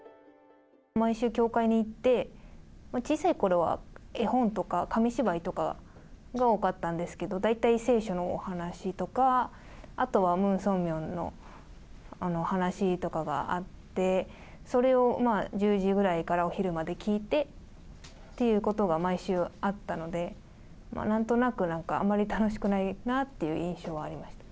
毎週教会に行って、小さいころは絵本とか紙芝居とかが多かったんですけれども、大体聖書のお話とか、あとはムン・ソンミョンの話とかがあって、それをまあ、１０時ぐらいからお昼まで聞いてっていうことが毎週あったので、なんとなく、なんかあまり楽しくないなっていう印象はありました。